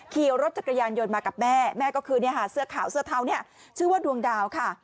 ขี่รถจักรยานยนต์มากับแม่แม่ก็คือเสื้อขาวเสื้อเทาเนี่ยชื่อว่าดวงดาวค่ะ